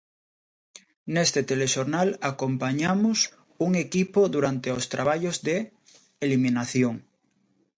Neste telexornal acompañamos un equipo durante os traballos de eliminación.